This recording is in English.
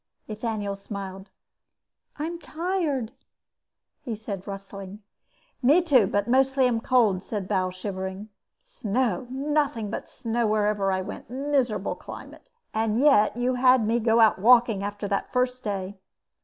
Ethaniel smiled. "I'm tired," he said, rustling. "Me too, but mostly I'm cold," said Bal, shivering. "Snow. Nothing but snow wherever I went. Miserable climate. And yet you had me go out walking after that first day."